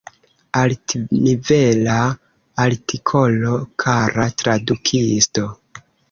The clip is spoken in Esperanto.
Altnivela artikolo, kara tradukisto.